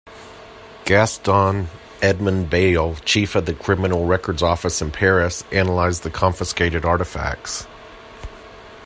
Gaston-Edmond Bayle, chief of the Criminal Records Office in Paris, analyzed the confiscated artifacts.